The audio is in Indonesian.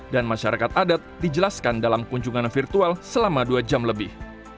dan masyarakat adat dijelaskan dalam kunjungan virtual selama dua jam lebih